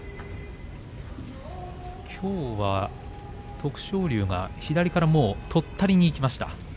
きょうは徳勝龍が左からもうとったりにいきました。